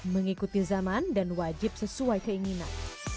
mengikuti zaman dan wajib sesuai keinginan